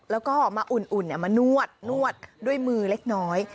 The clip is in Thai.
แล้วก็มาอุ่นมานวดนวดด้วยมือเล็กน้อย